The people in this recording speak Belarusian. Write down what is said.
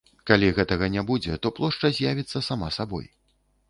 Калі гэтага не будзе, то плошча з'явіцца сама сабой.